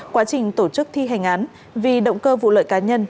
quá trình tổ chức thi hành án vì động cơ vụ lợi cá nhân